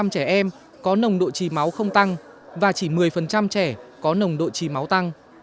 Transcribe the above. một mươi trẻ em có nồng độ trì máu không tăng và chỉ một mươi trẻ có nồng độ trì máu tăng